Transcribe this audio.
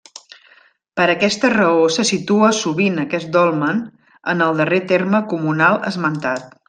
Per aquesta raó se situa sovint aquest dolmen en el darrer terme comunal esmentat.